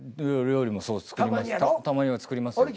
料理も作ります。